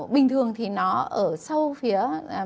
bình thường thì nó ở sau phía